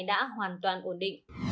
đã hoàn toàn ổn định